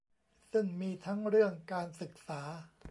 ซึ่งมีทั้งเรื่องการศึกษา